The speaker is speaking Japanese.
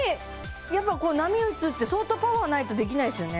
やっぱこう波打つって相当パワーないとできないですよね